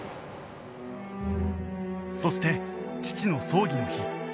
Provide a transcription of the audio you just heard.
そして父の葬儀の日